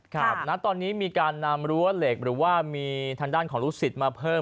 ครับณตอนนี้มีการนำรั้วเหล็กหรือว่ามีทางด้านของลูกศิษย์มาเพิ่ม